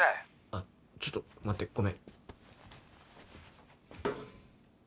あっちょっと待ってごめん。